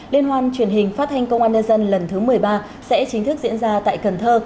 liên hoan truyền hình phát thanh công an nhân dân lần thứ một mươi ba sẽ chính thức diễn ra tại cần thơ